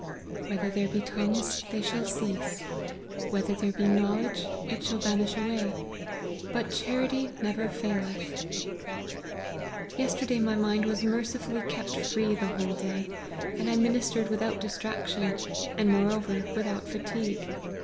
4 Whether there be tongues they shall cease ; whether there be know LIFE OF HENRY MARTYX. 121 ledge, it shall vanish away ; but charity never faileth.' Yesterday my mind was mercifully kept free the whole day : and I ministered without dis traction, and moreover without fatigue.